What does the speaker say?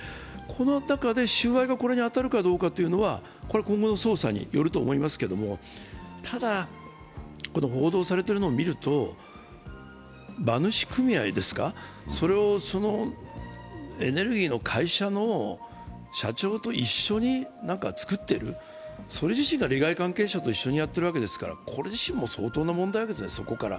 この中で収賄がこれに当たるかっていうのは今後の捜査によると思いますけれどもただ報道されているのを見ると馬主組合ですか、そのエネルギーの会社の社長と一緒に作ってる、それ自身が利害関係者と一緒にやっているわけですからこれ自身も相当な問題なわけですそこから。